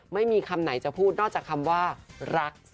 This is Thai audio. ไม่มีคำไหนจะพูดนอกจากคำว่ารัก